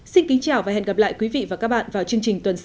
xin kính chào và hẹn gặp lại quý vị và các bạn vào chương trình tuần sau